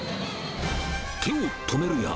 手を止めるや、